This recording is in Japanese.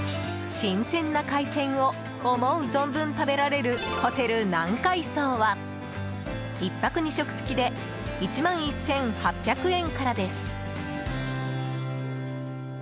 新鮮な海鮮を思う存分食べられる、ホテル南海荘は１泊２食付きで１万１８００円からです。